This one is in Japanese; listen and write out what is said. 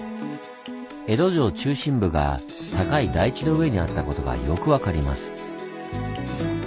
江戸城中心部が高い台地の上にあったことがよく分かります。